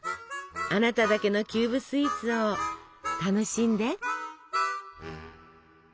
あなただけのキューブスイーツを楽しんで。